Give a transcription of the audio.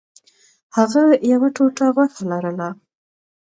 هغه یوه ټوټه غوښه لرله.